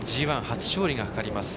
ＧＩ初勝利がかかります。